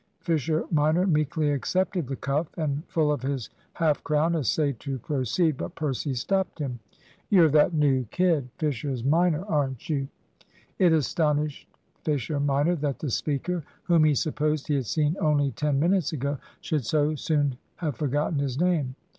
Fisher minor meekly accepted the cuff, and, full of his half crown, essayed to proceed. But Percy stopped him. "You're that new kid, Fisher's minor, aren't you?" It astonished Fisher minor, that the speaker, whom he supposed he had seen only ten minutes ago, should so soon have forgotten his name.